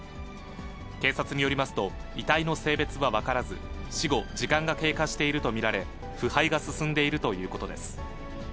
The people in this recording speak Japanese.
警察によりますと、遺体の性別は分からず、死後、時間が経過していると見られ、腐敗が進んでいるということです。